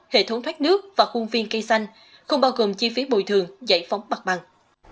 hệ thống thoát nước và khuôn viên cây xanh không bao gồm chi phí bồi thường giải phóng mặt bằng